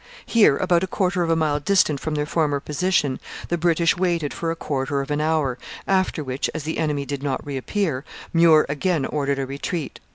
Here, about a quarter of a mile distant from their former position, the British waited for a quarter of an hour, after which, as the enemy did not reappear, Muir again ordered a retreat.